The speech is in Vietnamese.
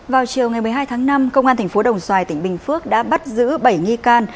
vào chiều ngày một mươi hai tháng năm công an thành phố đồng xoài tỉnh bình phước đã bắt giữ bảy nghi can